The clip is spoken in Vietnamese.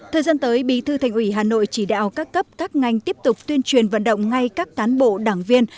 thời gian tới bí thư thành ủy hà nội chỉ đạo các cấp các ngành tiếp tục tuyên truyền vận động ngay các cán bộ đảng viên